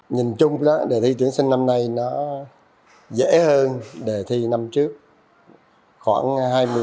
nhìn chung đề thi tuyển sinh năm nay nó dễ hơn đề thi năm trước khoảng hai mươi